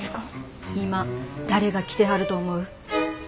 今誰が来てはると思う？